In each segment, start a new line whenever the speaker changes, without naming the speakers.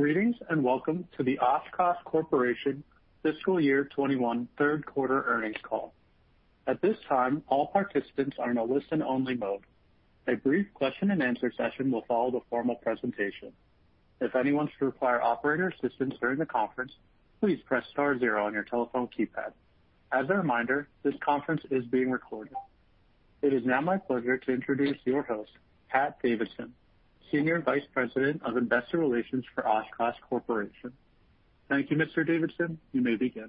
Greetings, and welcome to the Oshkosh Corporation Fiscal Year 2021 Third Quarter Earnings Call. At this time, all participants are in a listen-only mode. A brief question and answer session will follow the formal presentation. If anyone should require operator assistance during the conference, please press star zero on your telephone keypad. As a reminder, this conference is being recorded. It is now my pleasure to introduce your host, Pat Davidson, Senior Vice President of Investor Relations for Oshkosh Corporation. Thank you, Mr. Davidson. You may begin.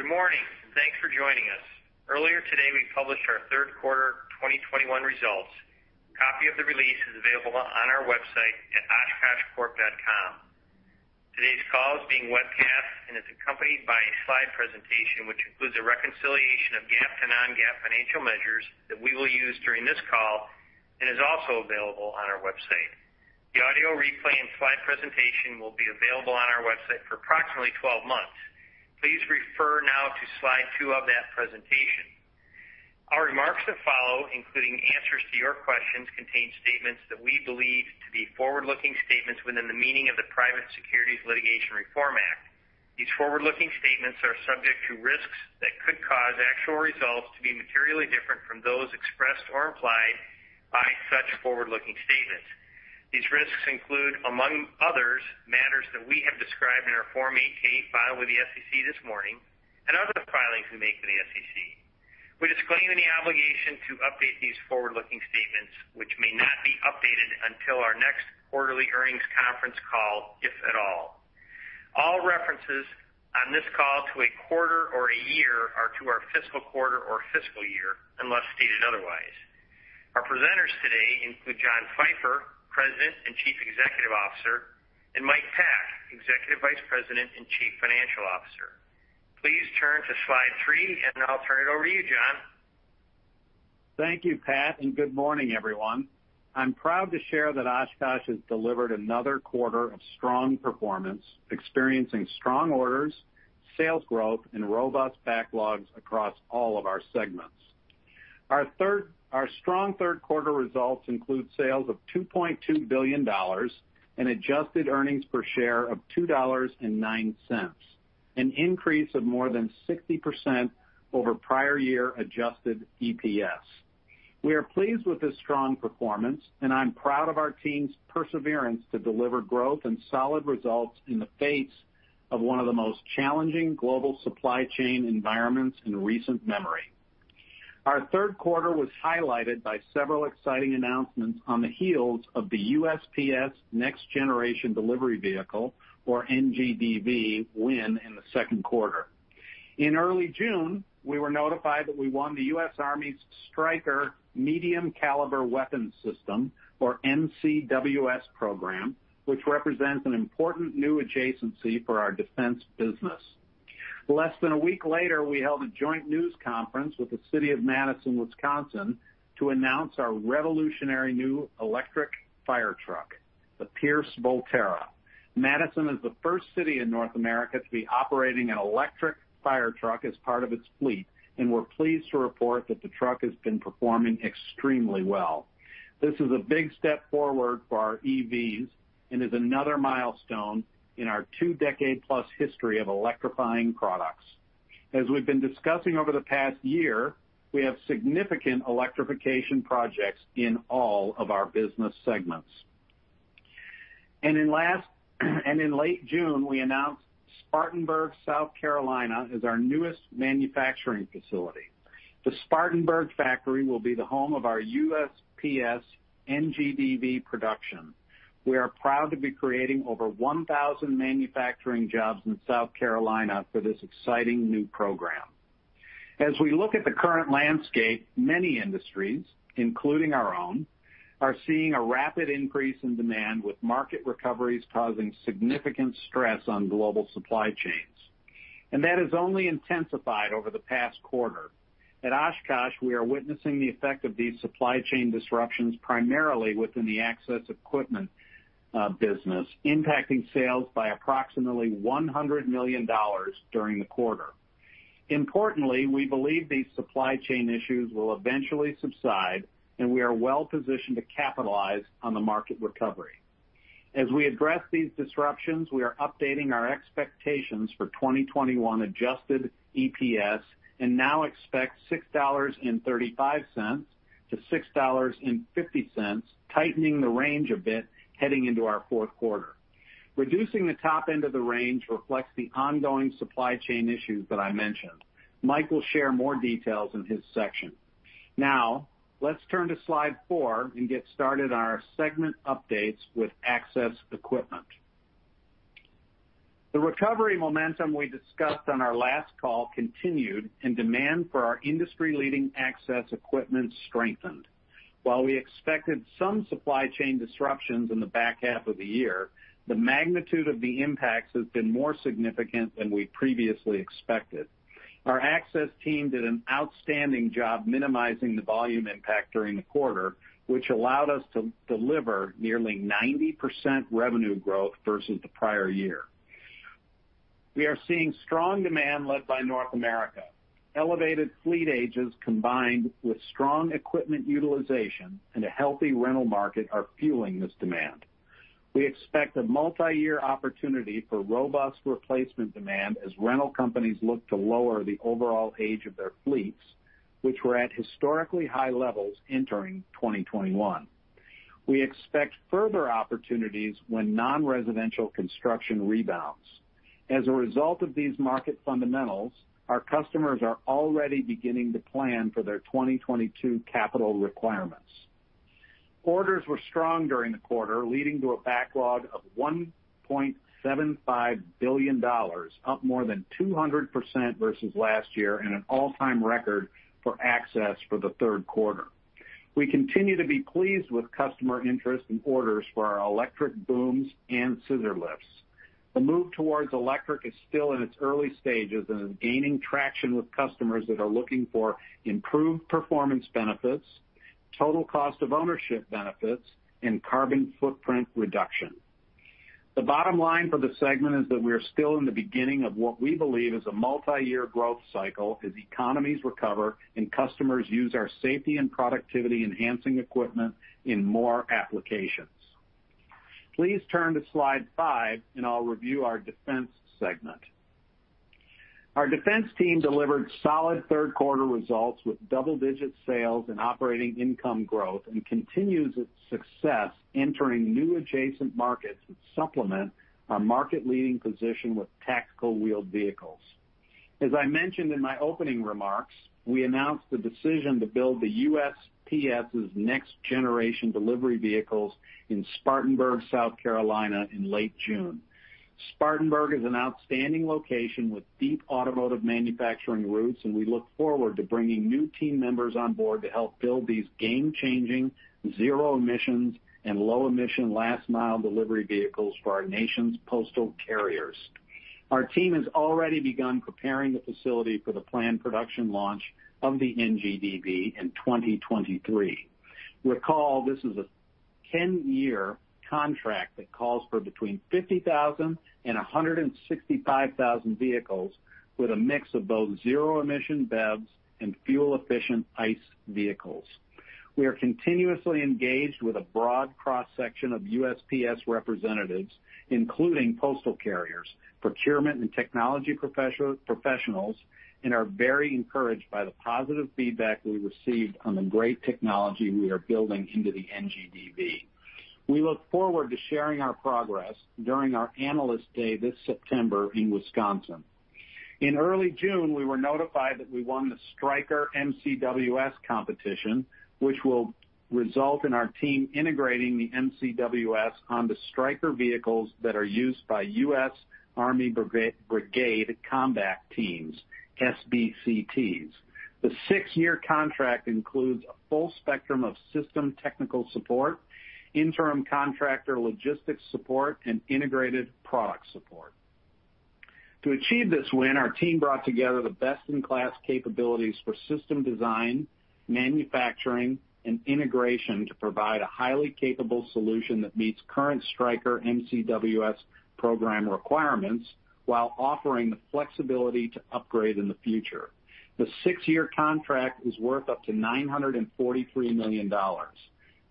Good morning, thanks for joining us. Earlier today, we published our third quarter 2021 results. A copy of the release is available on our website at oshkoshcorp.com. Today's call is being webcast and is accompanied by a slide presentation, which includes a reconciliation of GAAP to non-GAAP financial measures that we will use during this call and is also available on our website. The audio replay and slide presentation will be available on our website for approximately 12 months. Please refer now to slide two of that presentation. Our remarks that follow, including answers to your questions, contain statements that we believe to be forward-looking statements within the meaning of the Private Securities Litigation Reform Act. These forward-looking statements are subject to risks that could cause actual results to be materially different from those expressed or implied by such forward-looking statements. These risks include, among others, matters that we have described in our Form 8-K filed with the SEC this morning and other filings we make with the SEC. We disclaim any obligation to update these forward-looking statements, which may not be updated until our next quarterly earnings conference call, if at all. All references on this call to a quarter or a year are to our fiscal quarter or fiscal year, unless stated otherwise. Our presenters today include John Pfeifer, President and Chief Executive Officer, and Michael Pak, Executive Vice President and Chief Financial Officer. Please turn to slide three, and I'll turn it over to you, John.
Thank you, Pat, good morning, everyone. I'm proud to share that Oshkosh has delivered another quarter of strong performance, experiencing strong orders, sales growth, and robust backlogs across all of our segments. Our strong third quarter results include sales of $2.2 billion and adjusted earnings per share of $2.09, an increase of more than 60% over prior year adjusted EPS. We are pleased with this strong performance, I'm proud of our team's perseverance to deliver growth and solid results in the face of one of the most challenging global supply chain environments in recent memory. Our third quarter was highlighted by several exciting announcements on the heels of the USPS Next Generation Delivery Vehicle, or NGDV, win in the second quarter. In early June, we were notified that we won the U.S. Army's Stryker Medium Caliber Weapon System, or MCWS program, which represents an important new adjacency for our defense business. Less than one week later, we held a joint news conference with the city of Madison, Wisconsin, to announce our revolutionary new electric firetruck, the Pierce Volterra. Madison is the first city in North America to be operating an electric firetruck as part of its fleet, and we're pleased to report that the truck has been performing extremely well. This is a big step forward for our EVs and is another milestone in our two-decade-plus history of electrifying products. As we've been discussing over the past year, we have significant electrification projects in all of our business segments. In late June, we announced Spartanburg, South Carolina, as our newest manufacturing facility. The Spartanburg factory will be the home of our USPS NGDV production. We are proud to be creating over 1,000 manufacturing jobs in South Carolina for this exciting new program. As we look at the current landscape, many industries, including our own, are seeing a rapid increase in demand, with market recoveries causing significant stress on global supply chains, and that has only intensified over the past quarter. At Oshkosh, we are witnessing the effect of these supply chain disruptions primarily within the access equipment business, impacting sales by approximately $100 million during the quarter. Importantly, we believe these supply chain issues will eventually subside, and we are well positioned to capitalize on the market recovery. As we address these disruptions, we are updating our expectations for 2021 adjusted EPS and now expect $6.35-$6.50, tightening the range a bit heading into our fourth quarter. Reducing the top end of the range reflects the ongoing supply chain issues that I mentioned. Mike will share more details in his section. Now, let's turn to slide four and get started on our segment updates with access equipment. The recovery momentum we discussed on our last call continued, and demand for our industry-leading access equipment strengthened. While we expected some supply chain disruptions in the back half of the year, the magnitude of the impacts has been more significant than we previously expected. Our access team did an outstanding job minimizing the volume impact during the quarter, which allowed us to deliver nearly 90% revenue growth versus the prior year. We are seeing strong demand led by North America. Elevated fleet ages combined with strong equipment utilization and a healthy rental market are fueling this demand. We expect a multi-year opportunity for robust replacement demand as rental companies look to lower the overall age of their fleets, which were at historically high levels entering 2021. We expect further opportunities when non-residential construction rebounds. As a result of these market fundamentals, our customers are already beginning to plan for their 2022 capital requirements. Orders were strong during the quarter, leading to a backlog of $1.75 billion, up more than 200% versus last year, and an all-time record for Access for the third quarter. We continue to be pleased with customer interest and orders for our electric booms and scissor lifts. The move towards electric is still in its early stages and is gaining traction with customers that are looking for improved performance benefits, total cost of ownership benefits, and carbon footprint reduction. The bottom line for the segment is that we are still in the beginning of what we believe is a multi-year growth cycle as economies recover and customers use our safety and productivity-enhancing equipment in more applications. Please turn to slide five, and I'll review our defense segment. Our defense team delivered solid third-quarter results with double-digit sales and operating income growth and continues its success entering new adjacent markets that supplement our market-leading position with tactical wheeled vehicles. As I mentioned in my opening remarks, we announced the decision to build the USPS's Next Generation Delivery Vehicles in Spartanburg, South Carolina, in late June. Spartanburg is an outstanding location with deep automotive manufacturing roots, and we look forward to bringing new team members on board to help build these game-changing, zero-emissions and low-emission last-mile delivery vehicles for our nation's postal carriers. Our team has already begun preparing the facility for the planned production launch of the NGDV in 2023. Recall, this is a 10-year contract that calls for between 50,000 and 165,000 vehicles with a mix of both zero-emission BEVs and fuel-efficient ICE vehicles. We are continuously engaged with a broad cross-section of USPS representatives, including postal carriers, procurement and technology professionals, and are very encouraged by the positive feedback we received on the great technology we are building into the NGDV. We look forward to sharing our progress during our Analyst Day this September in Wisconsin. In early June, we were notified that we won the Stryker MCWS competition, which will result in our team integrating the MCWS on the Stryker vehicles that are used by U.S. Army Brigade Combat Teams, SBCTs. The six-year contract includes a full spectrum of system technical support, interim contractor logistics support, and integrated product support. To achieve this win, our team brought together the best-in-class capabilities for system design, manufacturing, and integration to provide a highly capable solution that meets current Stryker MCWS program requirements while offering the flexibility to upgrade in the future. The six-year contract is worth up to $943 million.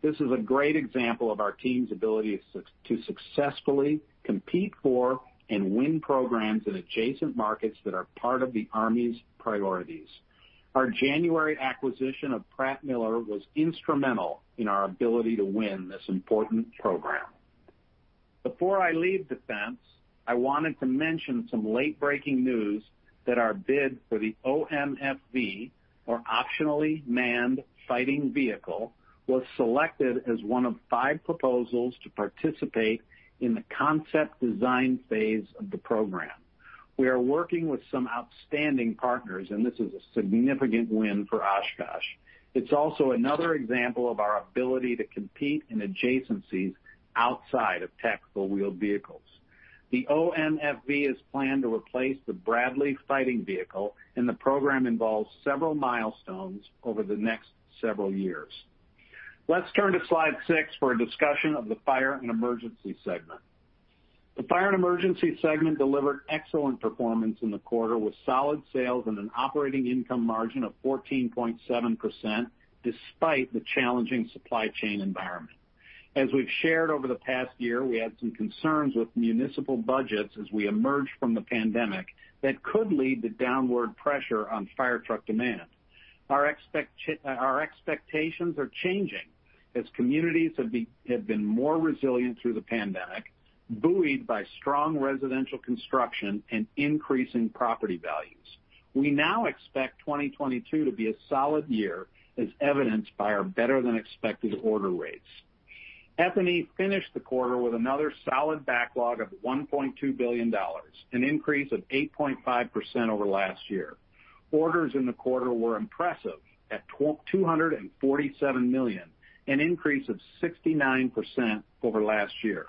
This is a great example of our team's ability to successfully compete for and win programs in adjacent markets that are part of the Army's priorities. Our January acquisition of Pratt Miller was instrumental in our ability to win this important program. Before I leave defense, I wanted to mention some late-breaking news that our bid for the OMFV, or Optionally Manned Fighting Vehicle, was selected as one of five proposals to participate in the concept design phase of the program. We are working with some outstanding partners, and this is a significant win for Oshkosh. It's also another example of our ability to compete in adjacencies outside of tactical wheeled vehicles. The OMFV is planned to replace the Bradley Fighting Vehicle, and the program involves several milestones over the next several years. Let's turn to slide six for a discussion of the Fire & Emergency segment. The Fire & Emergency segment delivered excellent performance in the quarter with solid sales and an operating income margin of 14.7%, despite the challenging supply chain environment. As we've shared over the past year, we had some concerns with municipal budgets as we emerged from the pandemic that could lead to downward pressure on fire truck demand. Our expectations are changing as communities have been more resilient through the pandemic, buoyed by strong residential construction and increasing property values. We now expect 2022 to be a solid year, as evidenced by our better-than-expected order rates. F&E finished the quarter with another solid backlog of $1.2 billion, an increase of 8.5% over last year. Orders in the quarter were impressive at $247 million, an increase of 69% over last year.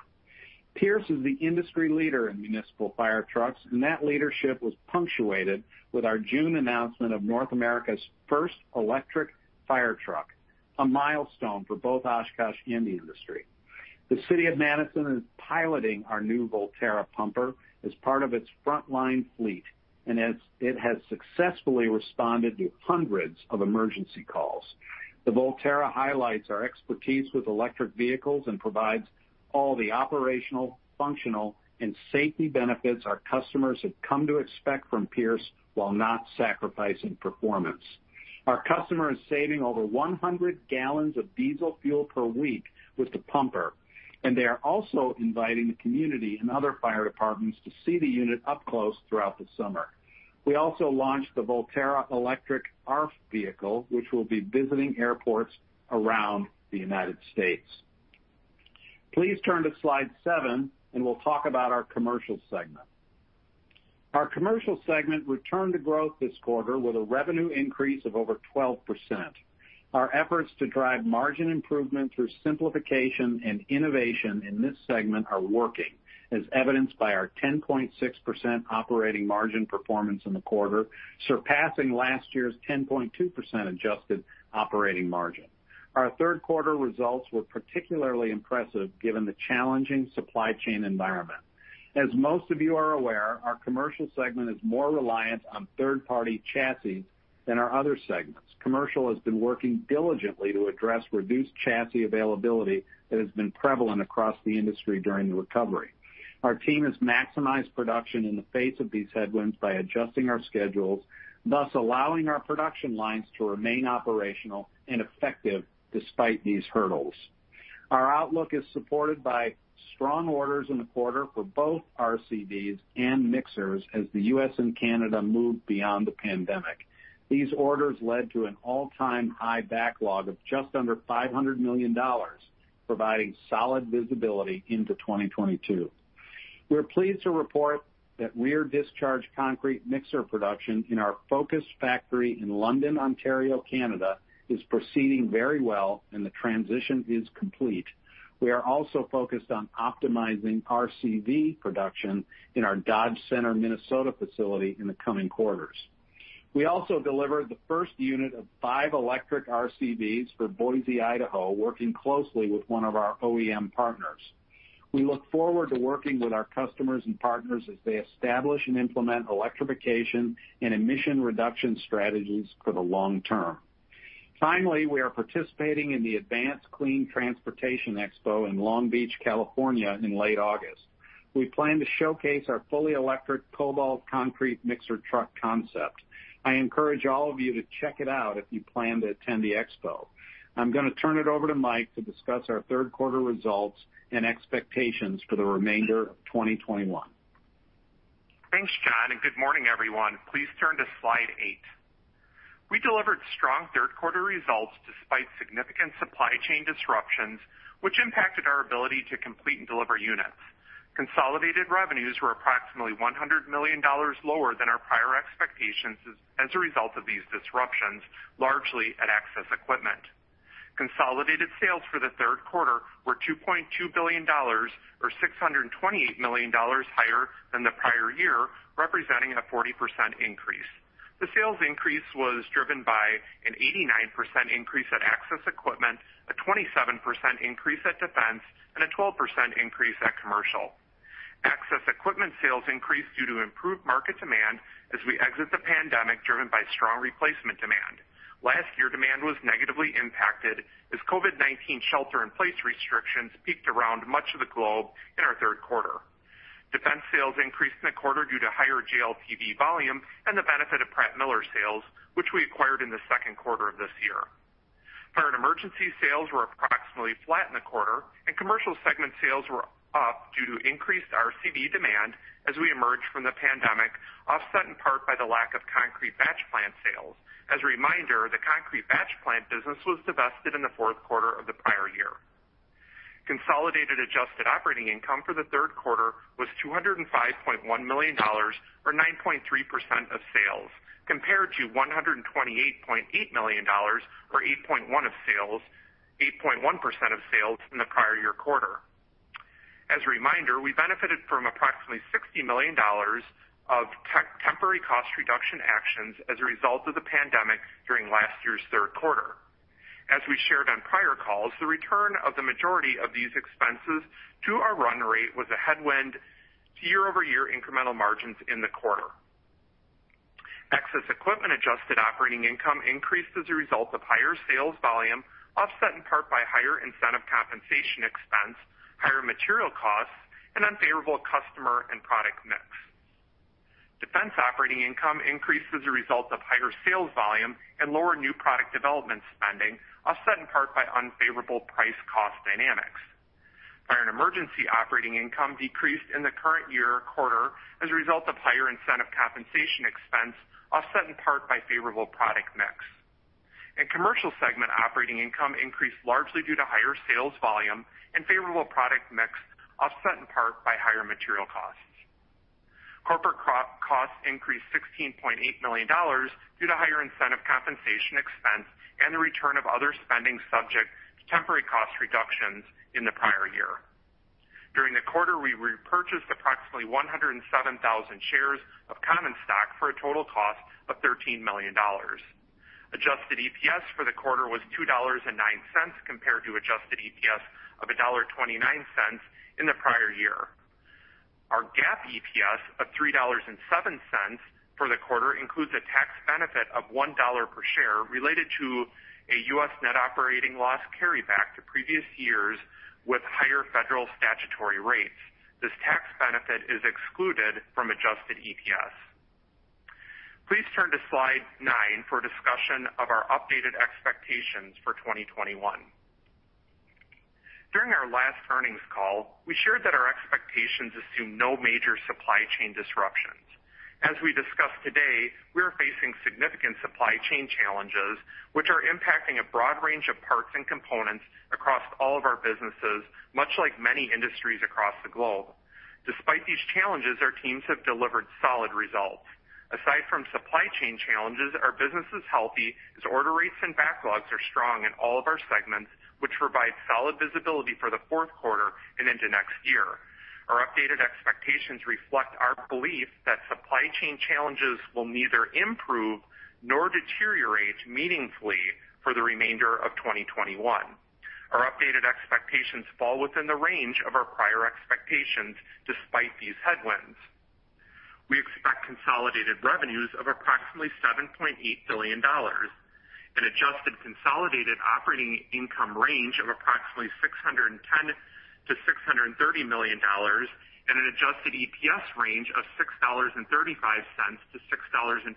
Pierce is the industry leader in municipal fire trucks, and that leadership was punctuated with our June announcement of North America's first electric fire truck, a milestone for both Oshkosh and the industry. The City of Madison is piloting our new Volterra pumper as part of its frontline fleet, and it has successfully responded to hundreds of emergency calls. The Volterra highlights our expertise with electric vehicles and provides all the operational, functional, and safety benefits our customers have come to expect from Pierce while not sacrificing performance. Our customer is saving over 100 gallons of diesel fuel per week with the pumper, and they are also inviting the community and other fire departments to see the unit up close throughout the summer. We also launched the Volterra electric ARFF vehicle, which will be visiting airports around the U.S. Please turn to slide seven. We'll talk about our Commercial segment. Our Commercial segment returned to growth this quarter with a revenue increase of over 12%. Our efforts to drive margin improvement through simplification and innovation in this segment are working, as evidenced by our 10.6% operating margin performance in the quarter, surpassing last year's 10.2% adjusted operating margin. Our third quarter results were particularly impressive given the challenging supply chain environment. As most of you are aware, our Commercial segment is more reliant on third-party chassis than our other segments. Commercial has been working diligently to address reduced chassis availability that has been prevalent across the industry during the recovery. Our team has maximized production in the face of these headwinds by adjusting our schedules, thus allowing our production lines to remain operational and effective despite these hurdles. Our outlook is supported by strong orders in the quarter for both RCVs and mixers as the U.S. and Canada move beyond the pandemic. These orders led to an all-time high backlog of just under $500 million, providing solid visibility into 2022. We're pleased to report that rear discharge concrete mixer production in our focus factory in London, Ontario, Canada, is proceeding very well, and the transition is complete. We are also focused on optimizing RCV production in our Dodge Center, Minnesota, facility in the coming quarters. We also delivered the first unit of five electric RCVs for Boise, Idaho, working closely with one of our OEM partners. We look forward to working with our customers and partners as they establish and implement electrification and emission reduction strategies for the long term. Finally, we are participating in the Advanced Clean Transportation Expo in Long Beach, California, in late August. We plan to showcase our fully electric kobalt concrete mixer truck concept. I encourage all of you to check it out if you plan to attend the expo. I'm going to turn it over to Mike to discuss our third quarter results and expectations for the remainder of 2021.
Thanks, John. Good morning, everyone. Please turn to slide eight. We delivered strong third quarter results despite significant supply chain disruptions, which impacted our ability to complete and deliver units. Consolidated revenues were approximately $100 million lower than our prior expectations as a result of these disruptions, largely at Access Equipment. Consolidated sales for the third quarter were $2.2 billion, or $628 million higher than the prior year, representing a 40% increase. The sales increase was driven by an 89% increase at Access Equipment, a 27% increase at Defense, and a 12% increase at Commercial. Access Equipment sales increased due to improved market demand as we exit the pandemic, driven by strong replacement demand. Last year, demand was negatively impacted as COVID-19 shelter in place restrictions peaked around much of the globe in our third quarter. Defense sales increased in the quarter due to higher JLTV volume and the benefit of Pratt Miller sales, which we acquired in the second quarter of this year. Fire & Emergency sales were approximately flat in the quarter, and commercial segment sales were up due to increased RCV demand as we emerge from the pandemic, offset in part by the lack of concrete batch plant sales. As a reminder, the concrete batch plant business was divested in the fourth quarter of the prior year. Consolidated adjusted operating income for the third quarter was $205.1 million, or 9.3% of sales, compared to $128.8 million or 8.1% of sales in the prior year quarter. As a reminder, we benefited from approximately $60 million of temporary cost reduction actions as a result of the pandemic during last year's third quarter. As we shared on prior calls, the return of the majority of these expenses to our run rate was a headwind to year-over-year incremental margins in the quarter. Access Equipment adjusted operating income increased as a result of higher sales volume, offset in part by higher incentive compensation expense, higher material costs, and unfavorable customer and product mix. Defense operating income increased as a result of higher sales volume and lower new product development spending, offset in part by unfavorable price cost dynamics. Fire and Emergency operating income decreased in the current year quarter as a result of higher incentive compensation expense, offset in part by favorable product mix. Commercial segment operating income increased largely due to higher sales volume and favorable product mix, offset in part by higher material costs. Corporate costs increased $16.8 million due to higher incentive compensation expense and the return of other spending subject to temporary cost reductions in the prior year. During the quarter, we repurchased approximately 107,000 shares of common stock for a total cost of $13 million. Adjusted EPS for the quarter was $2.09 compared to adjusted EPS of $1.29 in the prior year. Our GAAP EPS of $3.07 for the quarter includes a tax benefit of $1 per share related to a U.S. net operating loss carryback to previous years with higher federal statutory rates. This tax benefit is excluded from adjusted EPS. Please turn to slide nine for a discussion of our updated expectations for 2021. During our last earnings call, we shared that our expectations assume no major supply chain disruptions. As we discussed today, we are facing significant supply chain challenges, which are impacting a broad range of parts and components across all of our businesses, much like many industries across the globe. Despite these challenges, our teams have delivered solid results. Aside from supply chain challenges, our business is healthy as order rates and backlogs are strong in all of our segments, which provide solid visibility for the fourth quarter and into next year. Our updated expectations reflect our belief that supply chain challenges will neither improve nor deteriorate meaningfully for the remainder of 2021. Our updated expectations fall within the range of our prior expectations despite these headwinds. We expect consolidated revenues of approximately $7.8 billion, an adjusted consolidated operating income range of approximately $610 million-$630 million, and an adjusted EPS range of $6.35-$6.50,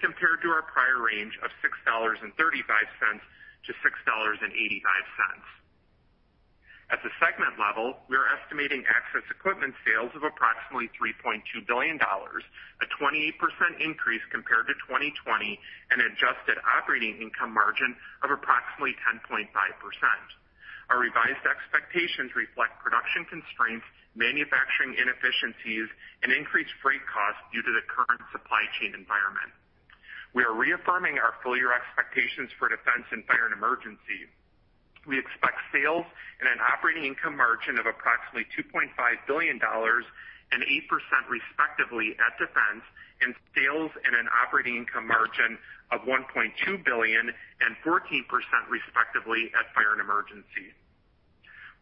compared to our prior range of $6.35-$6.85. At the segment level, we are estimating access equipment sales of approximately $3.2 billion, a 28% increase compared to 2020, and adjusted operating income margin of approximately 10.5%. Our revised expectations reflect production constraints, manufacturing inefficiencies, and increased freight costs due to the current supply chain environment. We are reaffirming our full-year expectations for Defense and Fire and Emergency. We expect sales and an operating income margin of approximately $2.5 billion and 8% respectively at Defense, and sales and an operating income margin of $1.2 billion and 14% respectively at Fire and Emergency.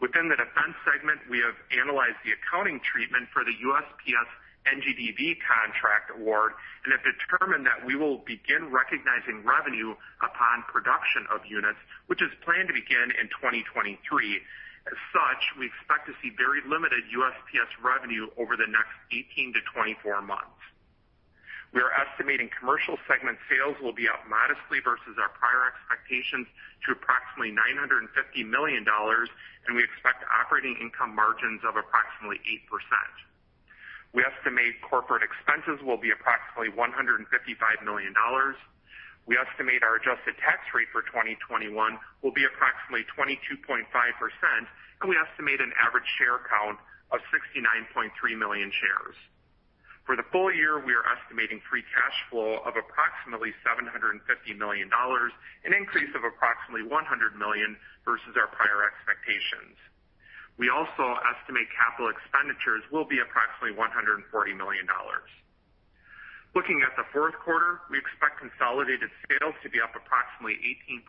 Within the Defense segment, we have analyzed the accounting treatment for the USPS NGDV contract award and have determined that we will begin recognizing revenue upon production of units, which is planned to begin in 2023. We expect to see very limited USPS revenue over the next 18 to 24 months. We are estimating Commercial segment sales will be up modestly versus our prior expectations to approximately $950 million, and we expect operating income margins of approximately 8%. We estimate corporate expenses will be approximately $155 million. We estimate our adjusted tax rate for 2021 will be approximately 22.5%, and we estimate an average share count of 69.3 million shares. For the full-year, we are estimating free cash flow of approximately $750 million, an increase of approximately $100 million versus our prior expectations. We also estimate capital expenditures will be approximately $140 million. Looking at the fourth quarter, we expect consolidated sales to be up approximately 18%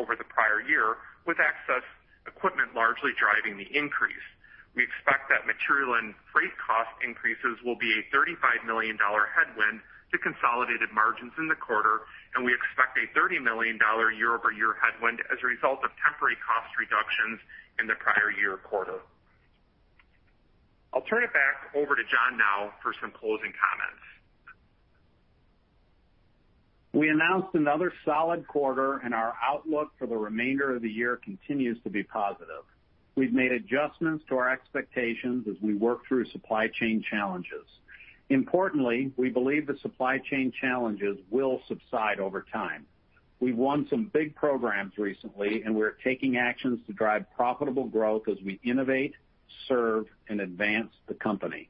over the prior year, with Access Equipment largely driving the increase. We expect that material and freight cost increases will be a $35 million headwind to consolidated margins in the quarter, and we expect a $30 million year-over-year headwind as a result of temporary cost reductions in the prior year quarter. I'll turn it back over to John now for some closing comments.
We announced another solid quarter, and our outlook for the remainder of the year continues to be positive. We've made adjustments to our expectations as we work through supply chain challenges. Importantly, we believe the supply chain challenges will subside over time. We've won some big programs recently, and we're taking actions to drive profitable growth as we innovate, serve, and advance the company.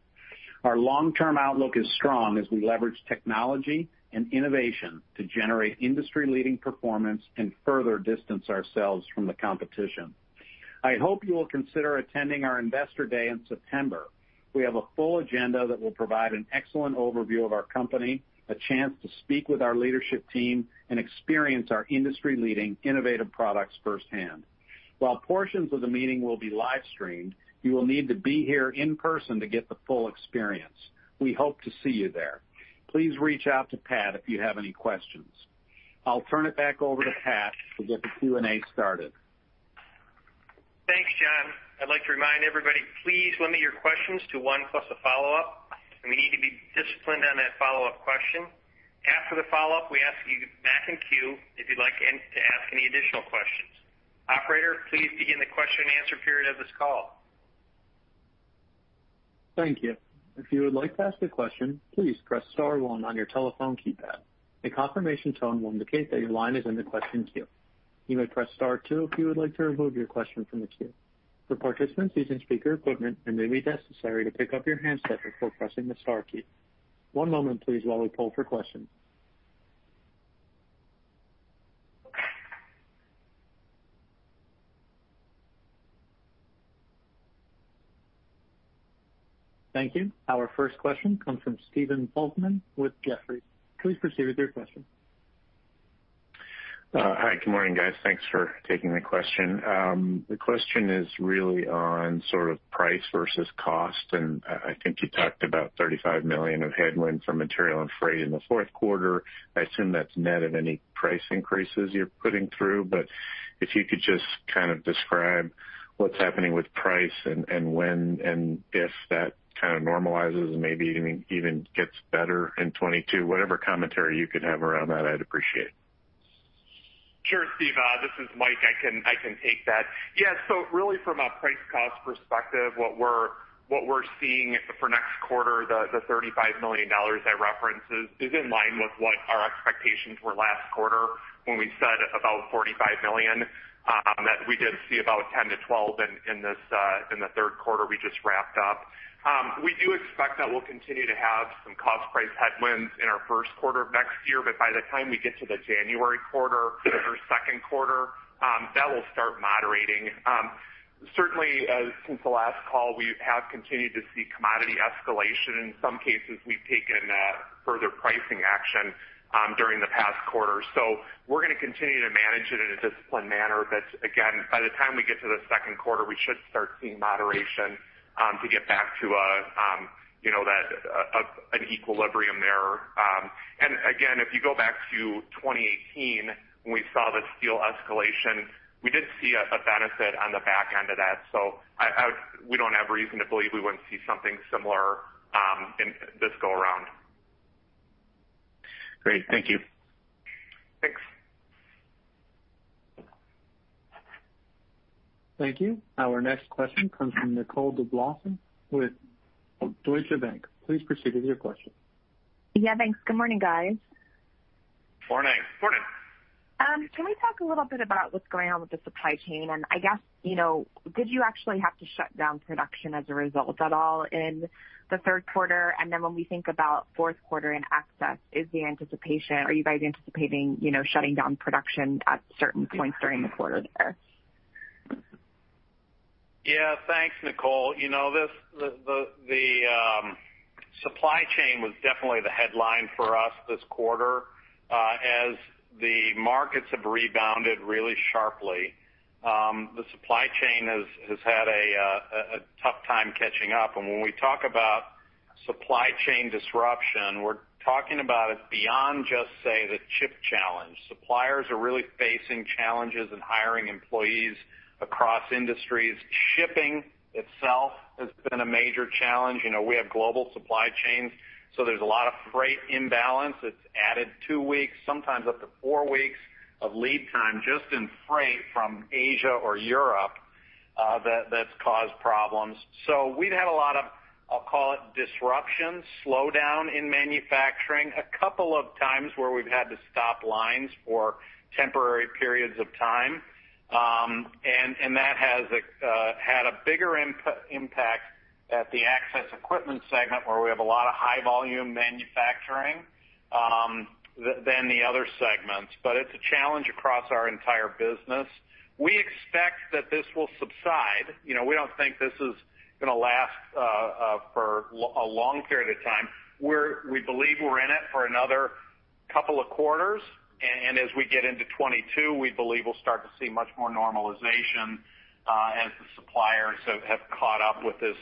Our long-term outlook is strong as we leverage technology and innovation to generate industry-leading performance and further distance ourselves from the competition. I hope you will consider attending our Investor Day in September. We have a full agenda that will provide an excellent overview of our company, a chance to speak with our leadership team, and experience our industry-leading innovative products firsthand. While portions of the meeting will be live-streamed, you will need to be here in person to get the full experience. We hope to see you there. Please reach out to Pat if you have any questions. I'll turn it back over to Pat to get the Q&A started.
Thanks, John. I'd like to remind everybody, please limit your questions to one plus a follow-up, and we need to be disciplined on that follow-up question. After the follow-up, we ask that you get back in queue if you'd like to ask any additional questions. Operator, please begin the question and answer period of this call.
Thank you. If you would like to ask a question, please press star one on your telephone keypad. A confirmation tone will indicate that your line is in the question queue. You may press star two if you would like to remove your question from the queue. For participants using speaker equipment, it may be necessary to pick up your handset before pressing the star key. One moment please while we pull for question. Our first question comes from Stephen Volkmann with Jefferies. Please proceed with your question.
Hi, good morning, guys. Thanks for taking the question. The question is really on price versus cost, and I think you talked about $35 million of headwind from material and freight in the fourth quarter. I assume that's net of any price increases you're putting through. If you could just kind of describe what's happening with price and when and if that kind of normalizes and maybe even gets better in 2022, whatever commentary you could have around that, I'd appreciate.
Sure, Stephen. This is Mike. I can take that. Yeah. Really from a price cost perspective, what we're seeing for next quarter, the $35 million I referenced, is in line with what our expectations were last quarter when we said about $45 million, that we did see about $10 million-$12 million in the third quarter we just wrapped up. We do expect that we'll continue to have some cost-price headwinds in our first quarter of next year. By the time we get to the January quarter or second quarter, that will start moderating. Certainly, since the last call, we have continued to see commodity escalation. In some cases, we've taken further pricing action during the past quarter. We're going to continue to manage it in a disciplined manner. Again, by the time we get to the second quarter, we should start seeing moderation to get back to an equilibrium there. Again, if you go back to 2018, when we saw the steel escalation, we did see a benefit on the back end of that. We don't have reason to believe we wouldn't see something similar in this go around.
Great. Thank you.
Thanks.
Thank you. Our next question comes from Nicole DeBlase with Deutsche Bank. Please proceed with your question.
Thanks. Good morning, guys.
Morning.
Morning.
Can we talk a little bit about what's going on with the supply chain? I guess did you actually have to shut down production as a result at all in the third quarter? When we think about fourth quarter and access, are you guys anticipating shutting down production at certain points during the quarter there?
Yeah. Thanks, Nicole. The supply chain was definitely the headline for us this quarter. As the markets have rebounded really sharply, the supply chain has had a tough time catching up. When we talk about supply chain disruption, we're talking about it beyond just, say, the chip challenge. Suppliers are really facing challenges in hiring employees across industries. Shipping itself has been a major challenge. We have global supply chains, so there's a lot of freight imbalance. It's added two weeks, sometimes up to four weeks of lead time just in freight from Asia or Europe that's caused problems. We've had a lot of, I'll call it disruption, slowdown in manufacturing a couple of times where we've had to stop lines for temporary periods of time. That has had a bigger impact at the access equipment segment, where we have a lot of high volume manufacturing than the other segments. It's a challenge across our entire business. We expect that this will subside. We don't think this is going to last for a long period of time. We believe we're in it for another couple of quarters, and as we get into 2022, we believe we'll start to see much more normalization as the suppliers have caught up with this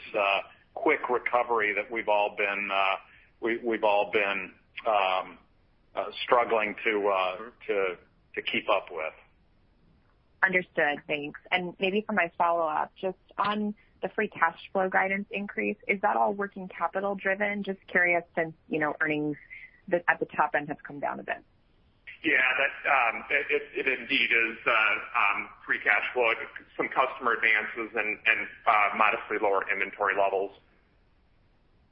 quick recovery that we've all been struggling to keep up with.
Understood. Thanks. Maybe for my follow-up, just on the free cash flow guidance increase, is that all working capital-driven? Just curious, since earnings at the top end have come down a bit.
Yeah. It indeed is free cash flow. Some customer advances and modestly lower inventory levels.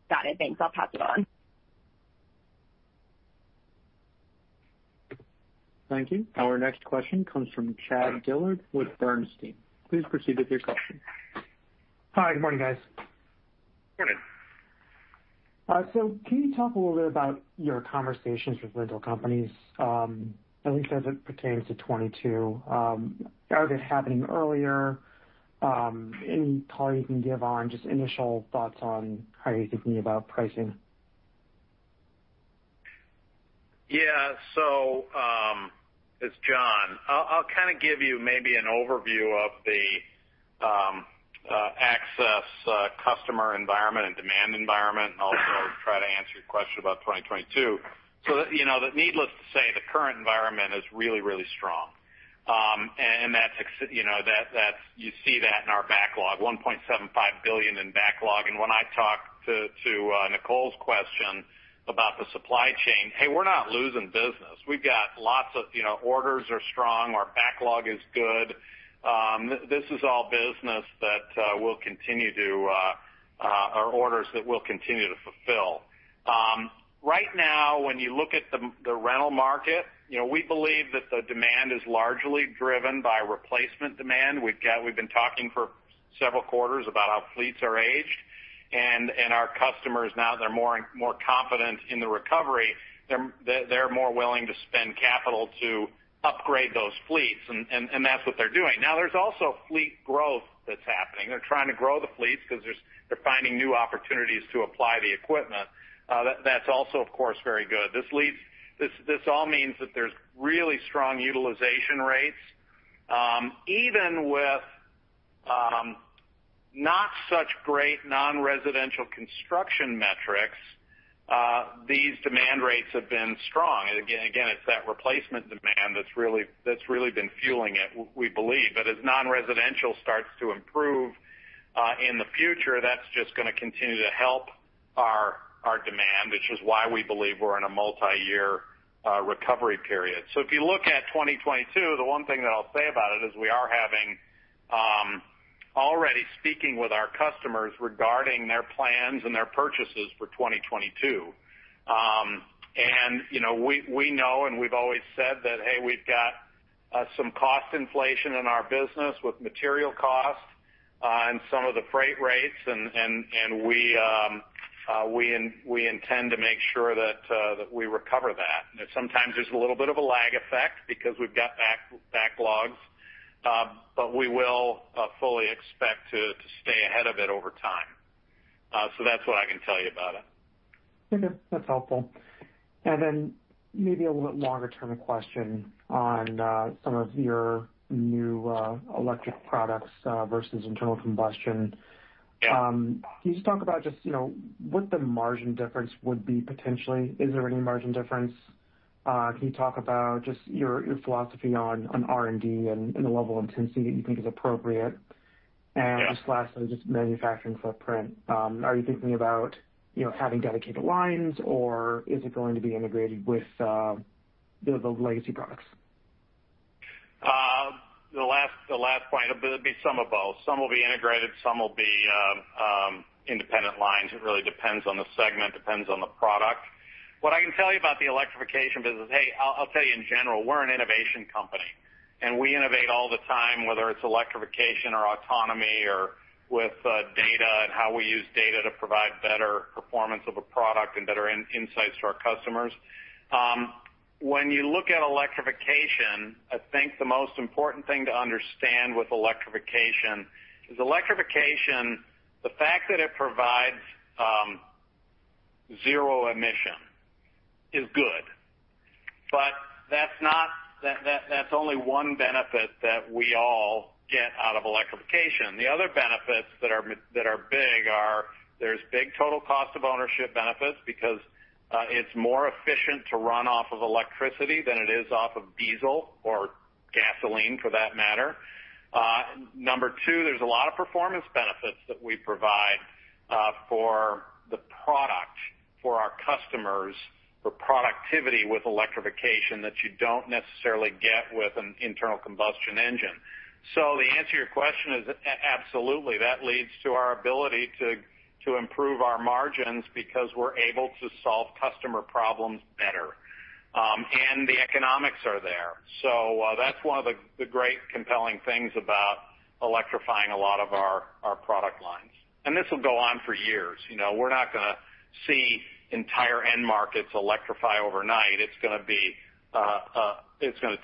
Got it. Thanks. I'll pass it on.
Thank you. Our next question comes from Chad Dillard with Bernstein. Please proceed with your question.
Hi. Good morning, guys.
Morning.
Can you talk a little bit about your conversations with rental companies, at least as it pertains to 2022? Are they happening earlier? Any color you can give on just initial thoughts on how you're thinking about pricing?
Yeah. It's John. I'll kind of give you maybe an overview of the access customer environment and demand environment, and also try to answer your question about 2022. Needless to say, the current environment is really, really strong. You see that in our backlog, $1.75 billion in backlog. When I talk to Nicole's question about the supply chain, hey, we're not losing business. We've got lots of orders are strong, our backlog is good. This is all business or orders that we'll continue to fulfill. Right now, when you look at the rental market, we believe that the demand is largely driven by replacement demand. We've been talking for Several quarters about how fleets are aged. Our customers now they're more confident in the recovery. They're more willing to spend capital to upgrade those fleets. That's what they're doing. There's also fleet growth that's happening. They're trying to grow the fleets because they're finding new opportunities to apply the equipment. That's also, of course, very good. This all means that there's really strong utilization rates. Even with not such great non-residential construction metrics, these demand rates have been strong. Again, it's that replacement demand that's really been fueling it, we believe. As non-residential starts to improve in the future, that's just going to continue to help our demand, which is why we believe we're in a multi-year recovery period. If you look at 2022, the one thing that I'll say about it is we are already speaking with our customers regarding their plans and their purchases for 2022. We know and we've always said that, hey, we've got some cost inflation in our business with material costs and some of the freight rates, and we intend to make sure that we recover that. Sometimes there's a little bit of a lag effect because we've got backlogs, but we will fully expect to stay ahead of it over time. That's what I can tell you about it.
Okay. That's helpful. Maybe a little bit longer-term question on some of your new electric products versus internal combustion.
Yeah.
Can you just talk about just what the margin difference would be potentially? Is there any margin difference? Can you talk about just your philosophy on R&D and the level of intensity that you think is appropriate?
Yeah.
Lastly, manufacturing footprint. Are you thinking about having dedicated lines, or is it going to be integrated with the legacy products?
The last point, it'll be some of both. Some will be integrated, some will be independent lines. It really depends on the segment, depends on the product. What I can tell you about the electrification business, hey, I'll tell you in general, we're an innovation company, and we innovate all the time, whether it's electrification or autonomy or with data and how we use data to provide better performance of a product and better insights to our customers. When you look at electrification, I think the most important thing to understand with electrification is electrification, the fact that it provides zero emission is good, but that's only one benefit that we all get out of electrification. The other benefits that are big are there's big total cost of ownership benefits because it's more efficient to run off of electricity than it is off of diesel or gasoline for that matter. Number two, there's a lot of performance benefits that we provide for the product for our customers for productivity with electrification that you don't necessarily get with an internal combustion engine. The answer to your question is absolutely. That leads to our ability to improve our margins because we're able to solve customer problems better. The economics are there. That's one of the great compelling things about electrifying a lot of our product lines. This will go on for years. We're not going to see entire end markets electrify overnight. It's going to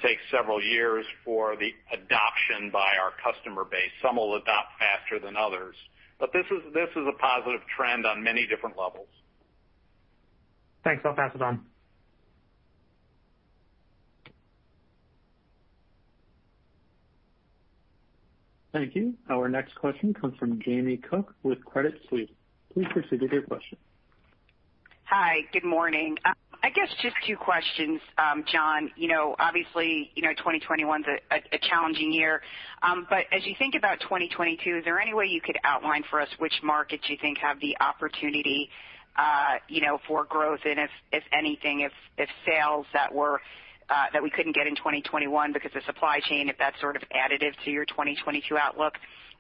take several years for the adoption by our customer base. Some will adopt faster than others. This is a positive trend on many different levels.
Thanks. I'll pass it on.
Thank you. Our next question comes from Jamie Cook with Credit Suisse. Please proceed with your question.
Hi. Good morning. I guess just two questions, John. Obviously, 2021's a challenging year. As you think about 2022, is there any way you could outline for us which markets you think have the opportunity for growth? If anything, if sales that we couldn't get in 2021 because of supply chain, if that's sort of additive to your 2022 outlook?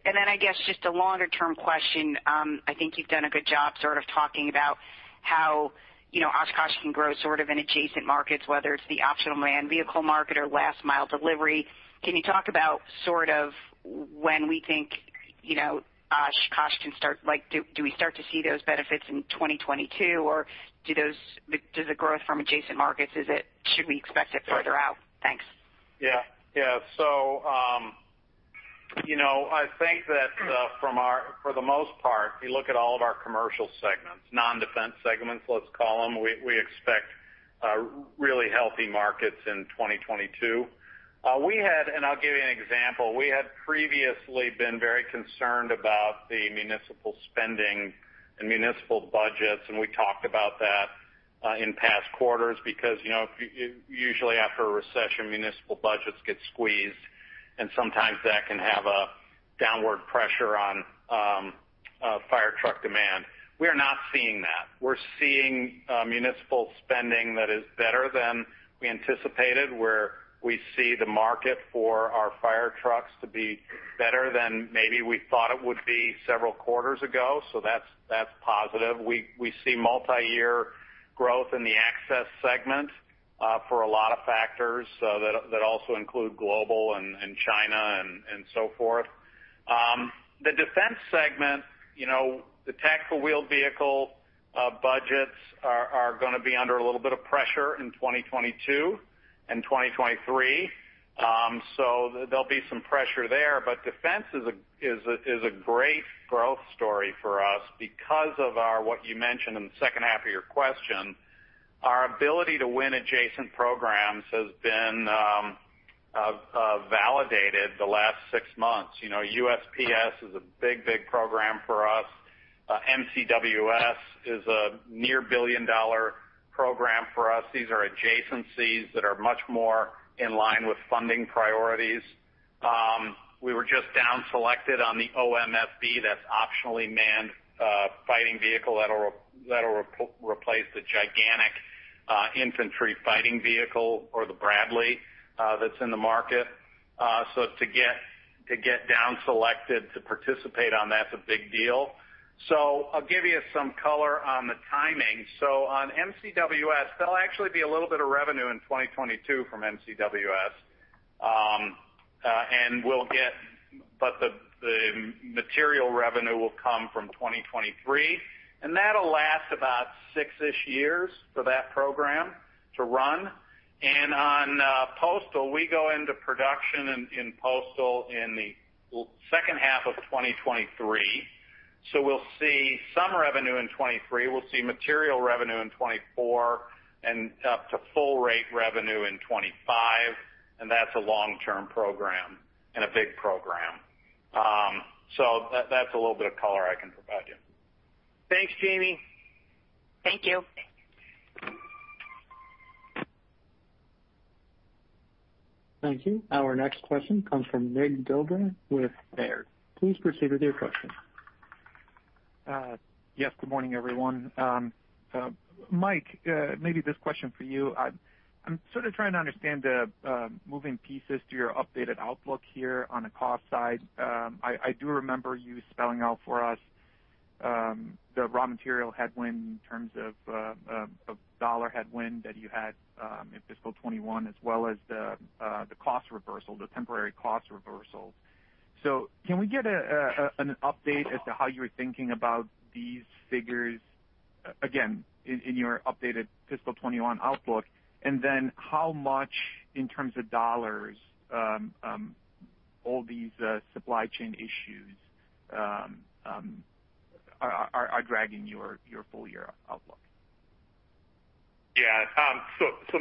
I guess just a longer-term question. I think you've done a good job sort of talking about how Oshkosh can grow sort of in adjacent markets, whether it's the Optionally Manned Fighting Vehicle market or last mile delivery. Can you talk about sort of when we think Oshkosh can start? Do we start to see those benefits in 2022? Does the growth from adjacent markets, should we expect it further out? Thanks.
Yeah. I think that for the most part, if you look at all of our commercial segments, non-defense segments, let's call them, we expect really healthy markets in 2022. I'll give you an example. We had previously been very concerned about the municipal spending and municipal budgets, and we talked about that in past quarters because usually after a recession, municipal budgets get squeezed, and sometimes that can have a downward pressure on fire truck demand. We are not seeing that. We're seeing municipal spending that is better than we anticipated, where we see the market for our fire trucks to be better than maybe we thought it would be several quarters ago. That's positive. We see multi-year growth in the Access segment. For a lot of factors that also include global and China and so forth. The Defense segment, the tactical wheeled vehicle budgets are going to be under a little bit of pressure in 2022 and 2023. There'll be some pressure there, but Defense is a great growth story for us because of our, what you mentioned in the second half of your question, our ability to win adjacent programs has been validated the last six months. USPS is a big program for us. MCWS is a near billion-dollar program for us. These are adjacencies that are much more in line with funding priorities. We were just down selected on the OMFV, that's Optionally Manned Fighting Vehicle, that'll replace the gigantic infantry fighting vehicle or the Bradley, that's in the market. To get down selected to participate on that is a big deal. I'll give you some color on the timing. On MCWS, there'll actually be a little bit of revenue in 2022 from MCWS. The material revenue will come from 2023, and that'll last about six-ish years for that program to run. On postal, we go into production in postal in the second half of 2023. We'll see some revenue in 2023. We'll see material revenue in 2024 and up to full rate revenue in 2025. That's a long-term program and a big program. That's a little bit of color I can provide you.
Thanks, Jamie.
Thank you.
Thank you. Our next question comes from Mircea Dobre with Baird. Please proceed with your question.
Good morning, everyone. Mike, maybe this question for you. I'm sort of trying to understand the moving pieces to your updated outlook here on the cost side. I do remember you spelling out for us the raw material headwind in terms of dollar headwind that you had in fiscal 2021, as well as the cost reversal, the temporary cost reversal. Can we get an update as to how you're thinking about these figures, again, in your updated fiscal 2021 outlook? How much, in terms of dollars, all these supply chain issues are dragging your full-year outlook?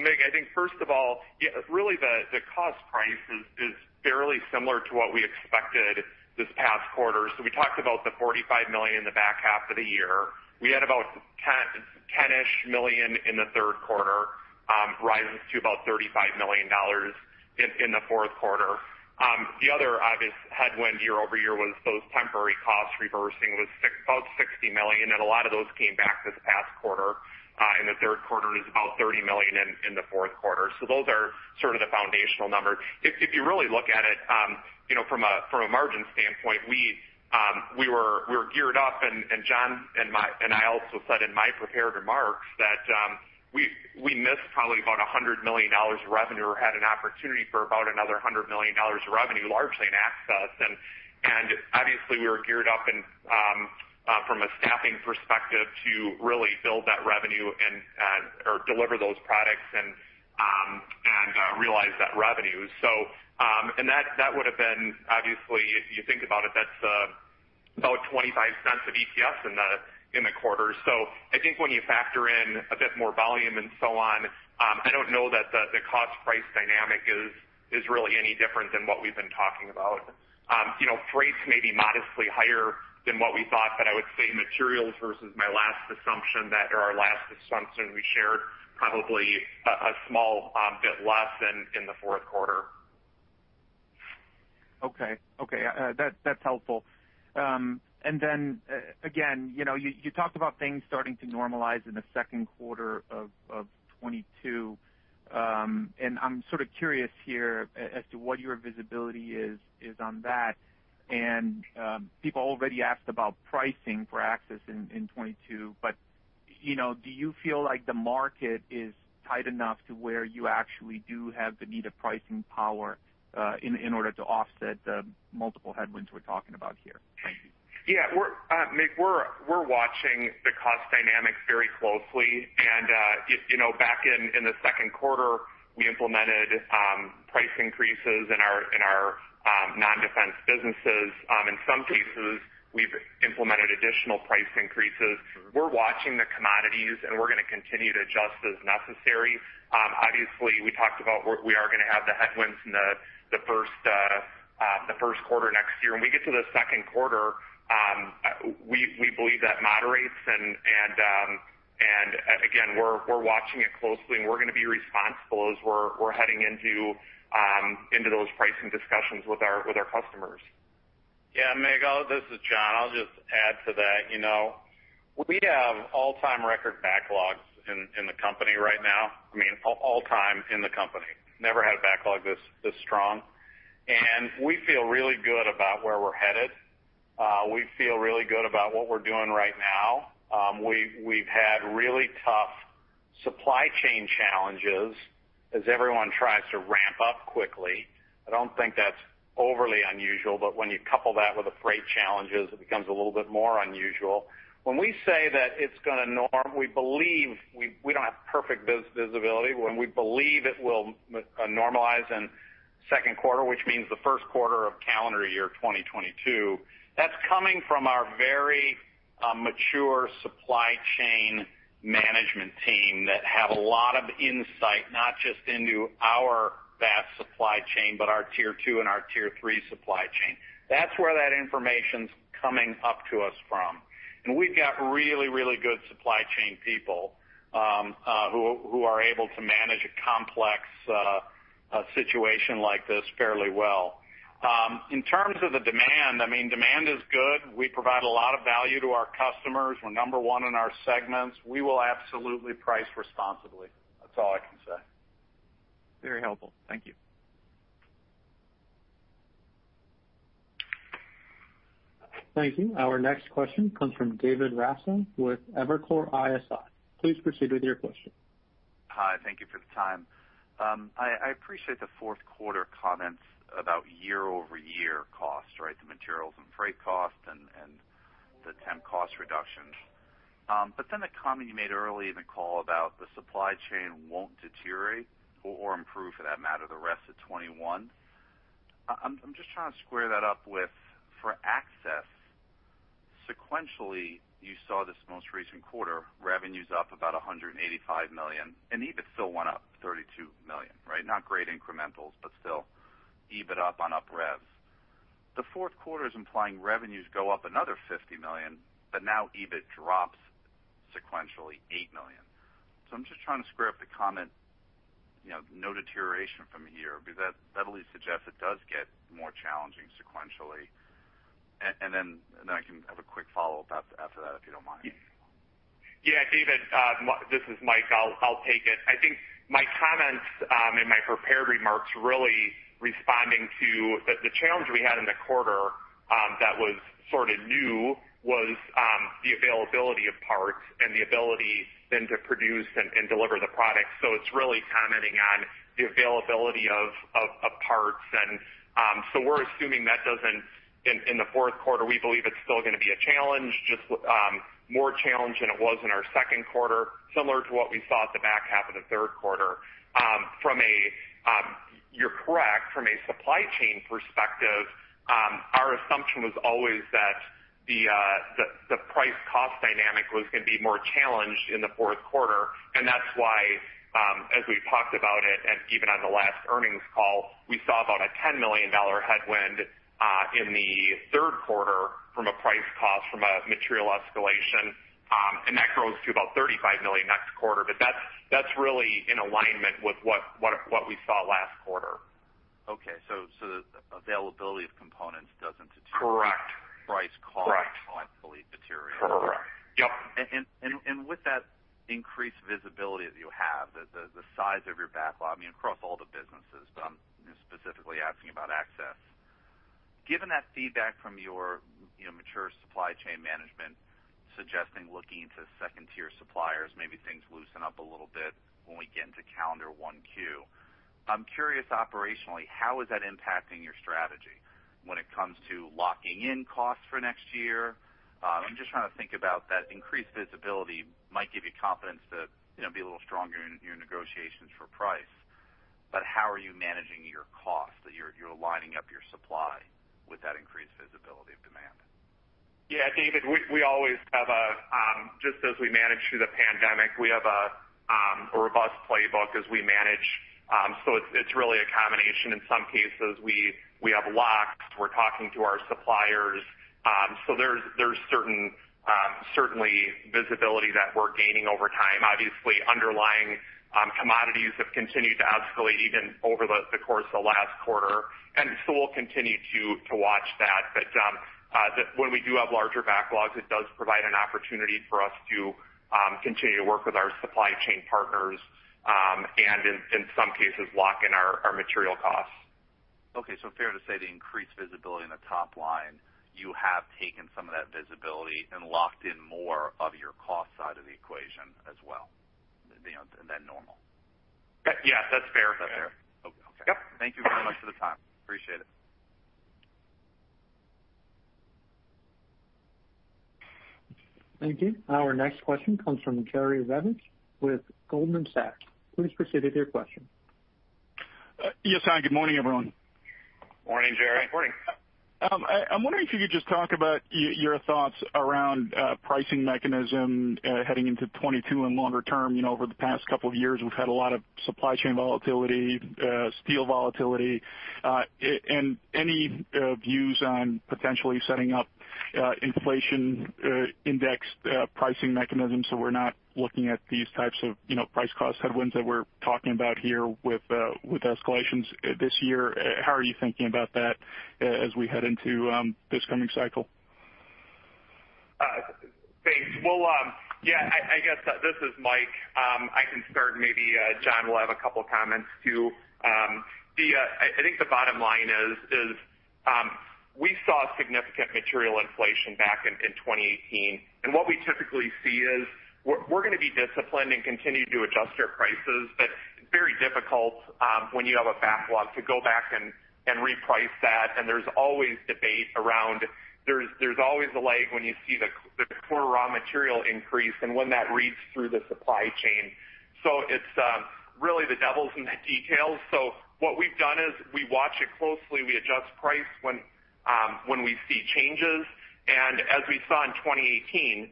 Mig, I think first of all, really the cost price is fairly similar to what we expected this past quarter. We talked about the $45 million in the back half of the year. We had about $10-ish million in the third quarter, rises to about $35 million in the fourth quarter. The other obvious headwind year-over-year was those temporary costs reversing was about $60 million. A lot of those came back this past quarter. In the third quarter, it was about $30 million in the fourth quarter. Those are sort of the foundational numbers. If you really look at it from a margin standpoint, we were geared up. John and I also said in my prepared remarks that we missed probably about $100 million of revenue or had an opportunity for about another $100 million of revenue, largely in Access. Obviously, we were geared up from a staffing perspective to really build that revenue or deliver those products and realize that revenue. That would've been obviously, if you think about it, that's about $0.25 of EPS in the quarter. I think when you factor in a bit more volume and so on, I don't know that the cost price dynamic is really any different than what we've been talking about. Freights may be modestly higher than what we thought, but I would say materials versus my last assumption that, or our last assumption we shared probably a small bit less in the fourth quarter.
Okay. That's helpful. Again, you talked about things starting to normalize in the second quarter of 2022. I'm sort of curious here as to what your visibility is on that. People already asked about pricing for Access in 2022. Do you feel like the market is tight enough to where you actually do have the need of pricing power in order to offset the multiple headwinds we're talking about here? Thank you.
Mig, we're watching the cost dynamics very closely. Back in the second quarter, we implemented price increases in our non-defense businesses. In some cases, we've implemented additional price increases. We're watching the commodities, and we're going to continue to adjust as necessary. Obviously, we talked about we are going to have the headwinds in the first quarter next year. When we get to the second quarter, we believe that moderates, and again, we're watching it closely, and we're going to be responsible as we're heading into those pricing discussions with our customers.
Yeah, Mig, this is John. I'll just add to that. We have all-time record backlogs in the company right now. I mean, all-time in the company. Never had a backlog this strong. We feel really good about where we're headed. We feel really good about what we're doing right now. We've had really tough supply chain challenges as everyone tries to ramp up quickly. I don't think that's overly unusual, but when you couple that with the freight challenges, it becomes a little bit more unusual. When we say that it's going to norm, we don't have perfect visibility, when we believe it will normalize in second quarter, which means the first quarter of calendar year 2022, that's coming from our very mature supply chain management team that have a lot of insight, not just into our vast supply chain, but our tier II and our tier III supply chain. That's where that information's coming up to us from. We've got really, really good supply chain people who are able to manage a complex situation like this fairly well. In terms of the demand is good. We provide a lot of value to our customers. We're number one in our segments. We will absolutely price responsibly. That's all I can say.
Very helpful. Thank you.
Thank you. Our next question comes from David Raso with Evercore ISI. Please proceed with your question.
Hi. Thank you for the time. I appreciate the fourth quarter comments about year-over-year costs, the materials and freight costs and the temp cost reductions. The comment you made earlier in the call about the supply chain won't deteriorate or improve, for that matter, the rest of 2021. I'm just trying to square that up with, for Access, sequentially, you saw this most recent quarter, revenues up about $185 million, and EBIT still went up $32 million. Not great incrementals, still, EBIT up on up revs. The fourth quarter is implying revenues go up another $50 million, EBIT drops sequentially $8 million. I'm just trying to square up the comment, no deterioration from here, because that at least suggests it does get more challenging sequentially. I can have a quick follow-up after that, if you don't mind.
Yeah, David, this is Mike. I'll take it. I think my comments in my prepared remarks really responding to the challenge we had in the quarter that was sort of new was the availability of parts and the ability then to produce and deliver the product. It's really commenting on the availability of parts. We're assuming that in the fourth quarter, we believe it's still going to be a challenge, just more challenge than it was in our second quarter, similar to what we saw at the back half of the third quarter. You're correct, from a supply chain perspective, our assumption was always that the price-cost dynamic was going to be more challenged in the fourth quarter. That's why as we talked about it, and even on the last earnings call, we saw about a $10 million headwind in the third quarter from a price cost from a material escalation. That grows to about $35 million next quarter. That's really in alignment with what we saw last quarter.
Okay. The availability of components doesn't deteriorate-
Correct
price cost-
Correct
I believe, material.
Correct. Yep.
With that increased visibility that you have, the size of your backlog, across all the businesses, but I'm specifically asking about Access. Given that feedback from your mature supply chain management suggesting looking to second-tier suppliers, maybe things loosen up a little bit when we get into calendar 1Q. I'm curious operationally, how is that impacting your strategy when it comes to locking in costs for next year? I'm just trying to think about that increased visibility might give you confidence to be a little stronger in your negotiations for price. How are you managing your cost that you're lining up your supply with that increased visibility of demand?
Yeah, David, just as we managed through the pandemic, we have a robust playbook as we manage. It's really a combination. In some cases, we have locks. We're talking to our suppliers. There's certainly visibility that we're gaining over time. Obviously, underlying commodities have continued to escalate even over the course of last quarter. We'll continue to watch that. When we do have larger backlogs, it does provide an opportunity for us to continue to work with our supply chain partners, and in some cases, lock in our material costs.
Okay. Fair to say the increased visibility in the top line, you have taken some of that visibility and locked in more of your cost side of the equation as well than normal?
Yes, that's fair.
That's fair. Okay.
Yep.
Thank you very much for the time. Appreciate it.
Thank you. Our next question comes from Jerry Revich with Goldman Sachs. Please proceed with your question.
Yes. Hi, good morning, everyone.
Morning, Jerry.
Morning.
I'm wondering if you could just talk about your thoughts around pricing mechanism heading into 2022 and longer term. Over the past couple of years, we've had a lot of supply chain volatility, steel volatility. Any views on potentially setting up inflation-indexed pricing mechanisms so we're not looking at these types of price cost headwinds that we're talking about here with escalations this year. How are you thinking about that as we head into this coming cycle?
Thanks. Well, yeah, I guess this is Mike. I can start and maybe John will have a couple of comments too. I think the bottom line is we saw significant material inflation back in 2018. What we typically see is we're going to be disciplined and continue to adjust our prices, but very difficult when you have a backlog to go back and reprice that. There's always debate around, there's always a lag when you see the core raw material increase and when that reads through the supply chain. It's really the devil's in the details. What we've done is we watch it closely. We adjust price when we see changes. As we saw in 2018,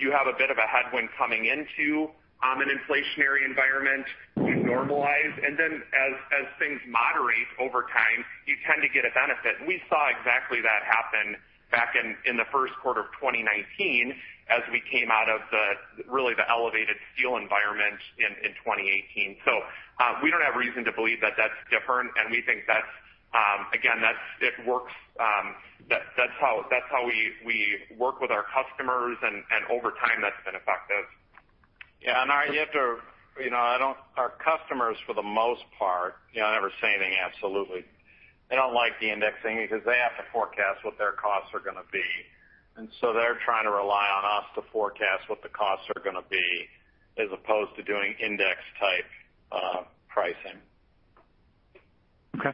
you have a bit of a headwind coming into an inflationary environment. You normalize, and then as things moderate over time, you tend to get a benefit. We saw exactly that happen back in the first quarter of 2019 as we came out of the really elevated steel environment in 2018. We don't have reason to believe that that's different, and we think that, again, it works. That's how we work with our customers and over time, that's been effective.
Yeah. Our customers, for the most part, I never say anything absolutely. They don't like the indexing because they have to forecast what their costs are going to be. They're trying to rely on us to forecast what the costs are going to be as opposed to doing index-type pricing.
Okay.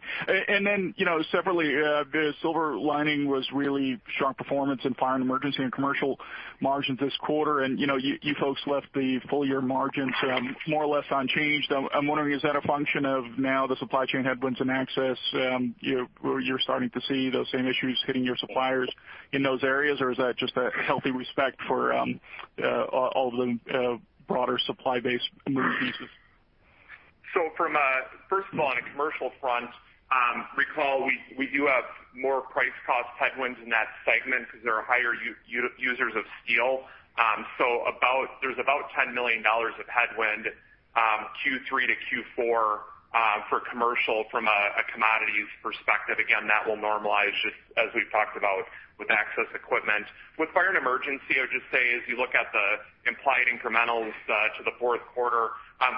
Separately, the silver lining was really sharp performance in Fire & Emergency and commercial margins this quarter. You folks left the full-year margins more or less unchanged. I'm wondering, is that a function of now the supply chain headwinds and access? You're starting to see those same issues hitting your suppliers in those areas or is that just a healthy respect for all of the broader supply base moving pieces?
First of all, on a commercial front, recall we do have more price cost headwinds in that segment because they are higher users of steel. There's about $10 million of headwind Q3 to Q4 for commercial from a commodities perspective. Again, that will normalize just as we've talked about with access equipment. With Fire & Emergency, I would just say as you look at the implied incrementals to the fourth quarter,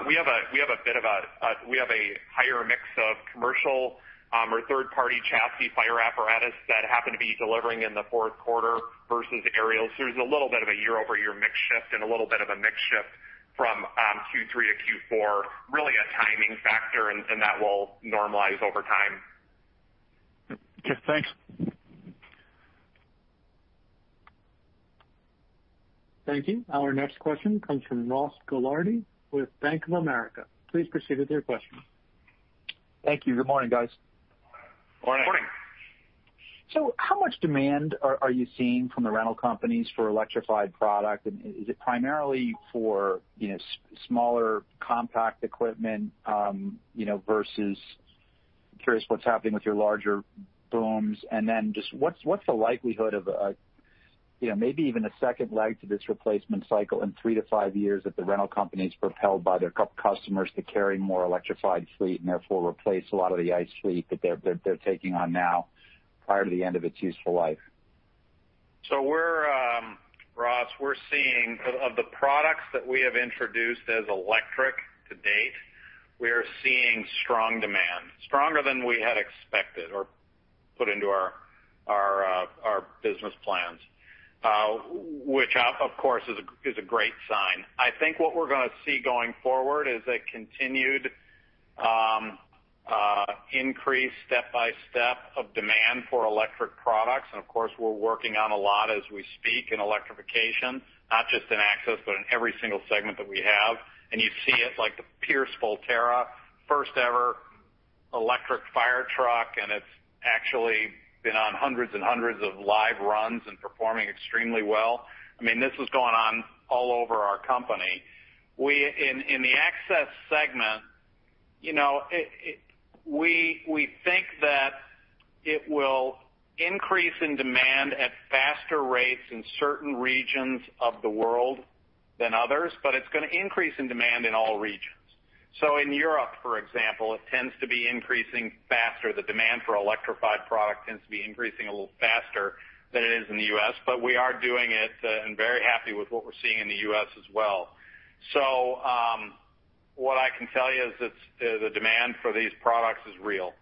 we have a higher mix of commercial or third-party chassis fire apparatus that happen to be delivering in the fourth quarter versus aerials. There's a little bit of a year-over-year mix shift and a little bit of a mix shift from Q3 to Q4, really a timing factor and that will normalize over time.
Okay, thanks.
Thank you. Our next question comes from Ross Gilardi with Bank of America. Please proceed with your question.
Thank you. Good morning, guys.
Morning.
Morning.
How much demand are you seeing from the rental companies for electrified product? Is it primarily for smaller compact equipment? I'm curious what's happening with your larger booms. Just what's the likelihood of maybe even a second leg to this replacement cycle in three to five years if the rental companies propelled by their customers to carry more electrified fleet and therefore replace a lot of the ICE fleet that they're taking on now prior to the end of its useful life?
Ross, of the products that we have introduced as electric to date, we are seeing strong demand, stronger than we had expected or put into our business plans, which of course is a great sign. I think what we're going to see going forward is a continued increase step by step of demand for electric products. Of course, we're working on a lot as we speak in electrification, not just in access, but in every single segment that we have. You see it like the Pierce Volterra, first ever electric fire truck, and it's actually been on hundreds and hundreds of live runs and performing extremely well. This is going on all over our company. In the access segment, we think that it will increase in demand at faster rates in certain regions of the world than others, but it's going to increase in demand in all regions. In Europe, for example, it tends to be increasing faster. The demand for electrified product tends to be increasing a little faster than it is in the U.S., but we are doing it and very happy with what we're seeing in the U.S. as well. What I can tell you is the demand for these products is real.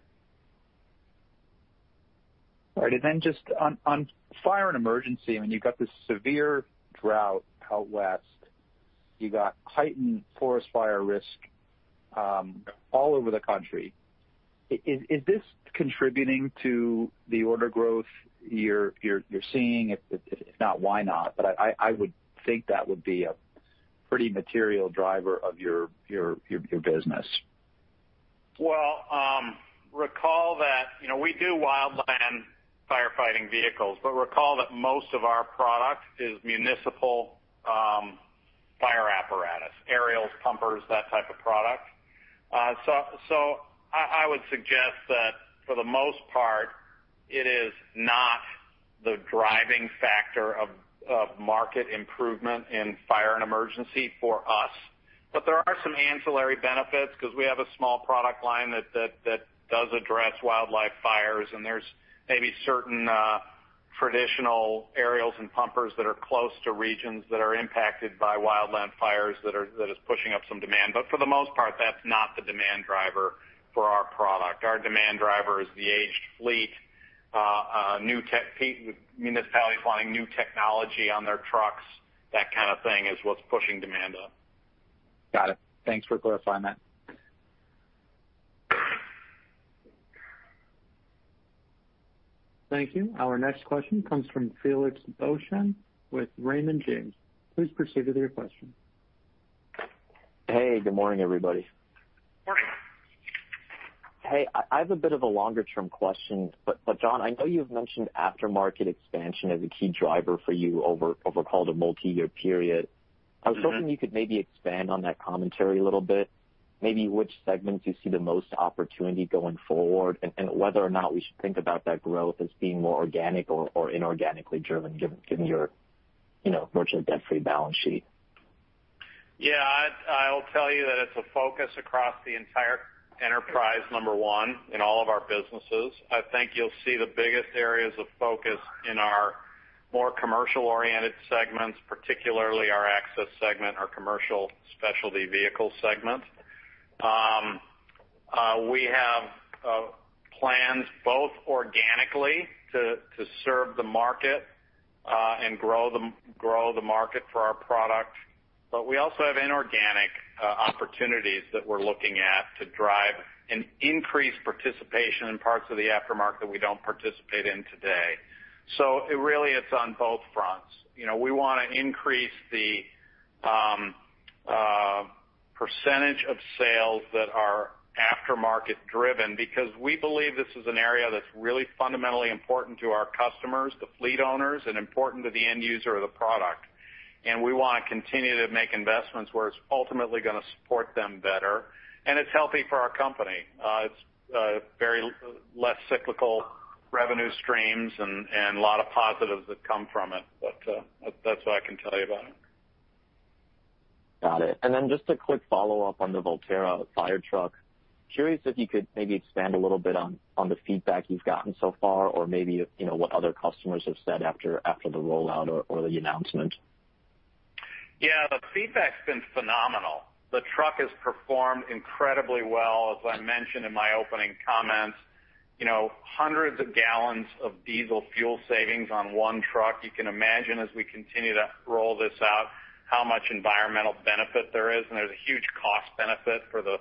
All right. Just on Fire & Emergency, you've got this severe drought out West. You got heightened forest fire risk all over the country. Is this contributing to the order growth you're seeing? If not, why not? I would think that would be a pretty material driver of your business.
Recall that we do wildland firefighting vehicles, but recall that most of our product is municipal fire apparatus, aerials, pumpers, that type of product. I would suggest that for the most part, it is not the driving factor of market improvement in Fire & Emergency for us. There are some ancillary benefits because we have a small product line that does address wildland fires, and there's maybe certain traditional aerials and pumpers that are close to regions that are impacted by wildland fires that is pushing up some demand. For the most part, that's not the demand driver for our product. Our demand driver is the aged fleet, municipality buying new technology on their trucks. That kind of thing is what's pushing demand up.
Got it. Thanks for clarifying that.
Thank you. Our next question comes from Felix Boeschen with Raymond James. Please proceed with your question.
Hey, good morning, everybody.
Morning.
Hey, I have a bit of a longer-term question. John, I know you've mentioned aftermarket expansion as a key driver for you over called a multi-year period. I was hoping you could maybe expand on that commentary a little bit. Maybe which segments you see the most opportunity going forward, and whether or not we should think about that growth as being more organic or inorganically driven, given your virtually debt-free balance sheet.
Yeah. I'll tell you that it's a focus across the entire enterprise, number one, in all of our businesses. I think you'll see the biggest areas of focus in our more commercial-oriented segments, particularly our access segment, our commercial specialty vehicle segment. We have plans both organically to serve the market and grow the market for our product. We also have inorganic opportunities that we're looking at to drive an increased participation in parts of the aftermarket we don't participate in today. It really is on both fronts. We want to increase the percentage of sales that are aftermarket driven because we believe this is an area that's really fundamentally important to our customers, the fleet owners, and important to the end user of the product. We want to continue to make investments where it's ultimately going to support them better. It's healthy for our company. It's very less cyclical revenue streams and a lot of positives that come from it. That's what I can tell you about it.
Got it. Just a quick follow-up on the Volterra fire truck. Curious if you could maybe expand a little bit on the feedback you've gotten so far or maybe what other customers have said after the rollout or the announcement?
Yeah. The feedback's been phenomenal. The truck has performed incredibly well. As I mentioned in my opening comments, hundreds of gallons of diesel fuel savings on one truck. You can imagine as we continue to roll this out, how much environmental benefit there is. There's a huge cost benefit for the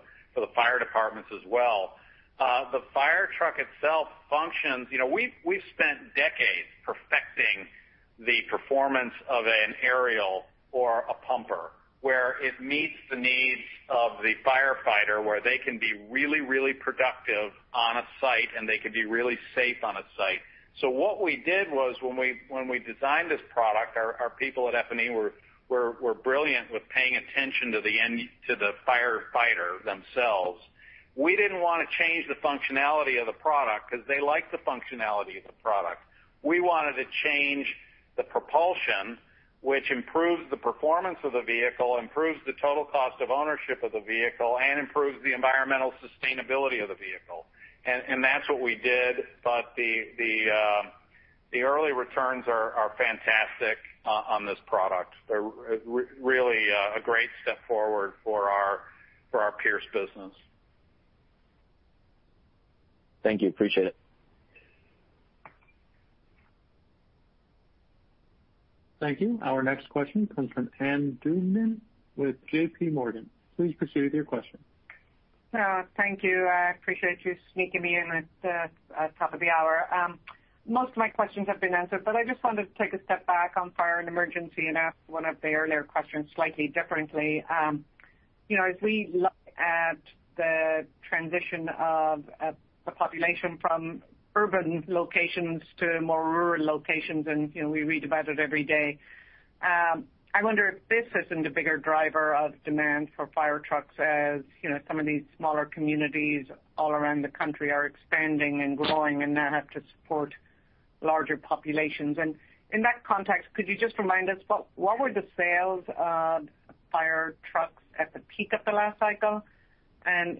fire departments as well. The fire truck itself functions. We've spent decades perfecting the performance of an aerial or a pumper, where it meets the needs of the firefighter, where they can be really productive on a site, and they can be really safe on a site. What we did was when we designed this product, our people at F&E were brilliant with paying attention to the firefighter themselves. We didn't want to change the functionality of the product because they like the functionality of the product. We wanted to change the propulsion, which improves the performance of the vehicle, improves the total cost of ownership of the vehicle, and improves the environmental sustainability of the vehicle. That's what we did, but the early returns are fantastic on this product. They're really a great step forward for our Pierce business.
Thank you. Appreciate it.
Thank you. Our next question comes from Ann Duignan with JPMorgan. Please proceed with your question.
Thank you. I appreciate you sneaking me in at the top of the hour. Most of my questions have been answered, but I just wanted to take a step back on Fire and Emergency and ask one of the earlier questions slightly differently. As we look at the transition of the population from urban locations to more rural locations, we read about it every day. I wonder if this has been the bigger driver of demand for fire trucks. As some of these smaller communities all around the country are expanding and growing and now have to support larger populations. In that context, could you just remind us, what were the sales of fire trucks at the peak of the last cycle?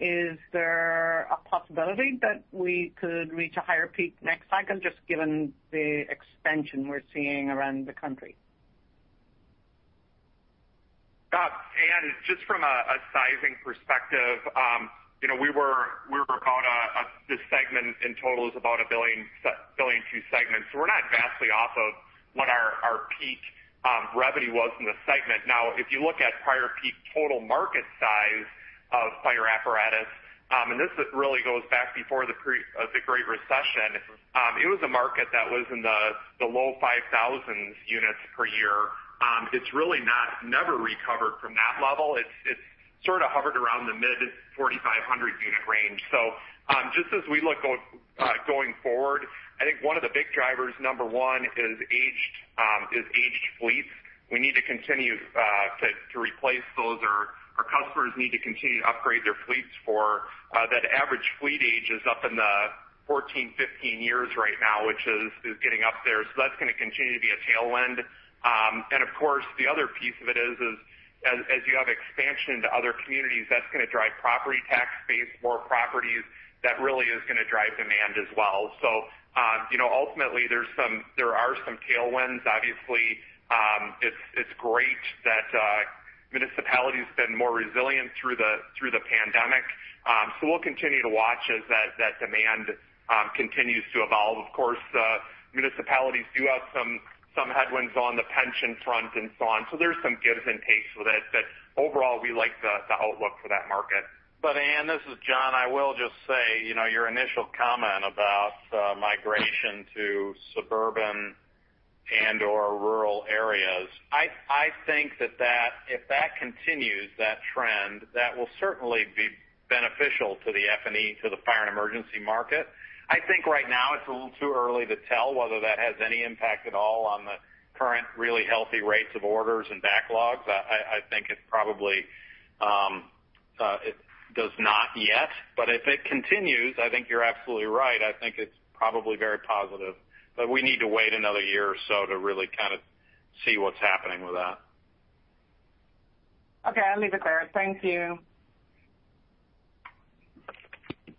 Is there a possibility that we could reach a higher peak next cycle, just given the expansion we're seeing around the country?
Ann, just from a sizing perspective, this segment in total is about billion-two segment. We're not vastly off of what our peak revenue was in the segment. If you look at prior peak total market size of fire apparatus, this really goes back before the Great Recession. It was a market that was in the low 5,000 units per year. It's really never recovered from that level. It's sort of hovered around the mid 4,500 unit range. Just as we look going forward, I think one of the big drivers, number one is aged fleets. We need to continue to replace those, or our customers need to continue to upgrade their fleets for that average fleet age is up in the 14, 15 years right now, which is getting up there. That's going to continue to be a tailwind. Of course, the other piece of it is, as you have expansion to other communities, that's going to drive property tax base, more properties, that really is going to drive demand as well. Ultimately, there are some tailwinds. Obviously, it's great that municipalities have been more resilient through the pandemic. We'll continue to watch as that demand continues to evolve. Of course, municipalities do have some headwinds on the pension front and so on. There's some gives and takes with it, but overall, we like the outlook for that market.
Ann, this is John. I will just say, your initial comment about migration to suburban and/or rural areas. I think that if that trend continues, that will certainly be beneficial to the F&E, to the Fire & Emergency market. I think right now it's a little too early to tell whether that has any impact at all on the current really healthy rates of orders and backlogs. I think it probably does not yet. If it continues, I think you're absolutely right. I think it's probably very positive. We need to wait another year or so to really kind of see what's happening with that.
Okay, I'll leave it there. Thank you.
Thank you.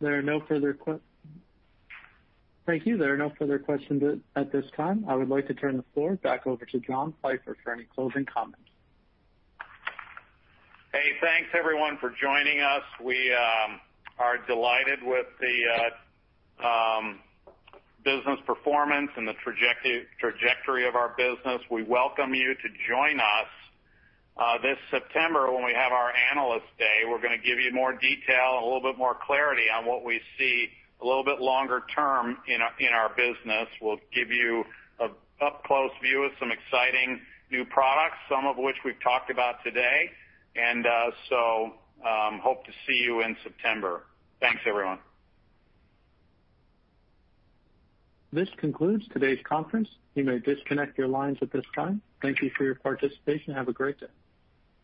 There are no further questions at this time. I would like to turn the floor back over to John Pfeifer for any closing comments.
Hey, thanks everyone for joining us. We are delighted with the business performance and the trajectory of our business. We welcome you to join us this September when we have our Analyst Day. We're going to give you more detail and a little bit more clarity on what we see a little bit longer term in our business. We'll give you an up-close view of some exciting new products, some of which we've talked about today. Hope to see you in September. Thanks, everyone.
This concludes today's conference. You may disconnect your lines at this time. Thank you for your participation. Have a great day.